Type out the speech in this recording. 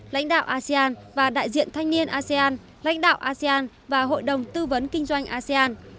lãnh đạo asean và đại diện thanh niên asean lãnh đạo asean và hội đồng tư vấn kinh doanh asean